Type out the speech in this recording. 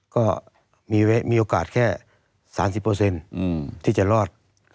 ก็มีโอกาสแค่๓๐ที่จะรอด